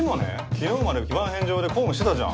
昨日まで非番返上で公務してたじゃん。